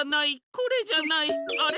これじゃないあれ？